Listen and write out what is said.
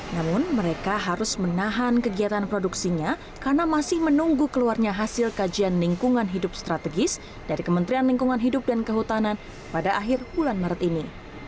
namun mereka harus menahan kegiatan produksinya karena masih menunggu keluarnya hasil kajian lingkungan hidup strategis dari kementerian lingkungan hidup dan kehutanan pada akhir bulan maret ini